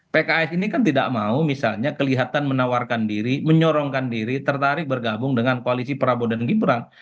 pks ini kan tidak mau misalnya kelihatan menawarkan diri menyorongkan diri tertarik bergabung dengan koalisi prabowo dan gibran